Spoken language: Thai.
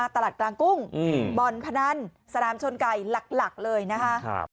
ตลาดกลางกุ้งบ่อนพนันสนามชนไก่หลักเลยนะคะ